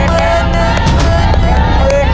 เท่าไหร่